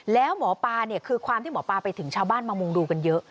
แล้วหมอปลาเนี่ยคือความที่หมอปลาไปถึงชาวบ้านมามุงดูกันเยอะ